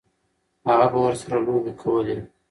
هغه به ورسره لوبې کولې.